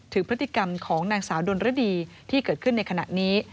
ถึงพฤติกรรมของนางสาวดนรดีที่เกิดขึ้นในขณะนี้